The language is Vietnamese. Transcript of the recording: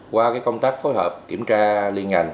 qua công tác phối hợp kiểm tra liên ngành